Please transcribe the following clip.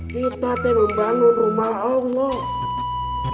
kita tuh membangun rumah allah